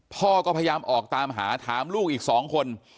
พ่อก็พยายามออกตามหาถามลูกอีก๒คน